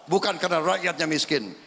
bukan karena rakyatnya miskin